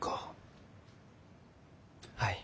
はい。